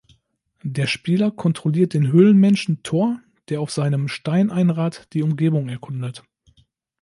Der Spieler kontrolliert den Höhlenmenschen Thor, der auf seinem Stein-Einrad die Umgebung erkundet.